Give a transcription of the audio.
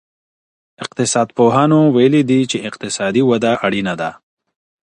اقتصاد پوهانو ویلي دي چی اقتصادي وده اړینه ده.